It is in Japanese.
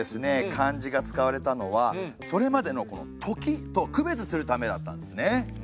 漢字が使われたのはそれまでの「とき」と区別するためだったんですね。